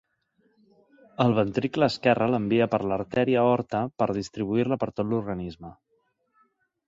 El ventricle esquerre l'envia per l'artèria aorta per a distribuir-la per tot l'organisme.